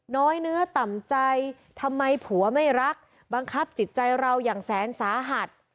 น้อยเนื้อต่ำใจทำไมผัวไม่รักบังคับจิตใจเราอย่างแสนสาหัส